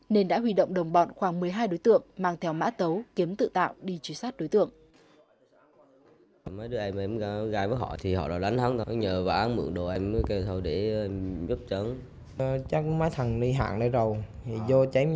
nên đã huy động đồng bọn khoảng một mươi hai đối tượng mang theo mã tấu kiếm tự tạo đi truy sát đối tượng